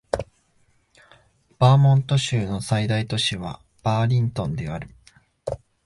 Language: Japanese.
バーモント州の最大都市はバーリントンである